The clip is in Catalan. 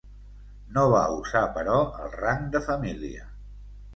No va usar però el rang de família.